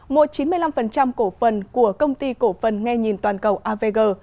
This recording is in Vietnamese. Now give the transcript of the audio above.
mua chín mươi năm cổ phần của công ty cổ phần nghe nhìn toàn cầu avg